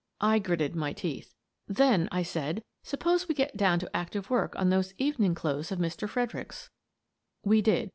I gritted my teeth. " Then," said I, " suppose we get down to active work on those evening clothes of Mr. Fredericks." We did.